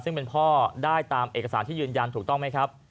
ซึ่งเป็นพ่อได้ตามเอกสารที่ยืนยันถูกต้องไหมครับ